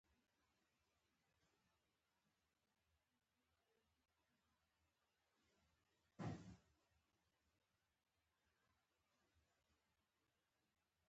ښځې کوکه کړه.